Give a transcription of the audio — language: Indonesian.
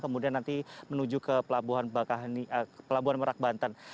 kemudian nanti menuju ke pelabuhan merak banten